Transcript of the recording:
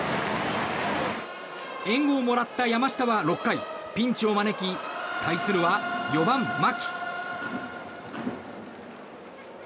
援護をもらった山下は６回、ピンチを招き対するは４番、牧。